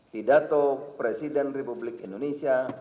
tidak tok presiden republik indonesia